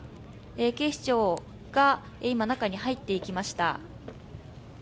警視庁が今、中に入っていきました。